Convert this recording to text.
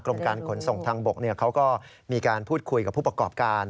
การขนส่งทางบกเขาก็มีการพูดคุยกับผู้ประกอบการ